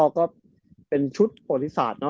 ก็เป็นชุดโปรดศาสตร์